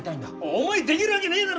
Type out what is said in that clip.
お前にできるわけねえだろうがよ！